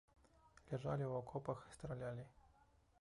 Ляжалі ў акопах, стралялі.